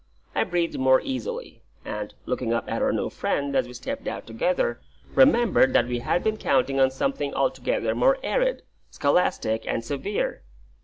I breathed more easily, and, looking up at our new friend as we stepped out together, remembered that we had been counting on something altogether more arid, scholastic, and severe.